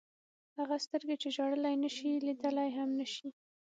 هغه سترګې چې ژړلی نه شي لیدلی هم نه شي.